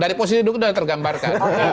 dari posisi duduk sudah tergambarkan